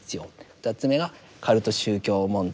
２つ目がカルト宗教問題。